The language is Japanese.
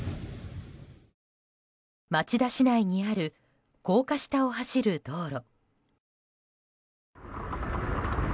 町田市内にある高架下を走る道路。